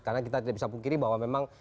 karena kita tidak bisa pikir bahwa memang